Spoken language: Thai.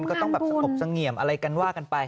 ก็ต้องแบบสงบเสงี่ยมอะไรกันว่ากันไป